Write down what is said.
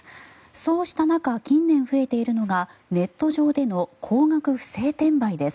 そうした中、近年増えているのがネット上での高額不正転売です。